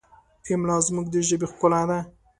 املا زموږ د ژبې ښکلا ده.